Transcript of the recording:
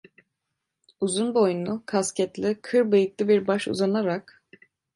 Uzun boyunlu, kasketli, kır bıyıklı bir baş uzanarak: